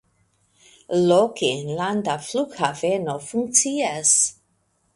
Loke enlanda flughaveno funkcias.